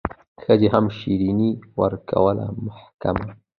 ښځي هم شیریني ورکړله محکمه